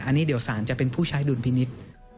อันนี้เดี๋ยวสารจะเป็นผู้ใช้ดุลพินิษฐ์